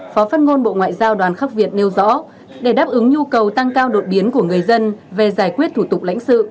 phó phát ngôn bộ ngoại giao đoàn khắc việt nêu rõ để đáp ứng nhu cầu tăng cao đột biến của người dân về giải quyết thủ tục lãnh sự